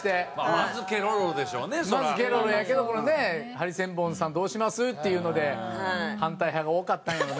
まずケロロやけどハリセンボンさんどうします？っていうので反対派が多かったんやろな。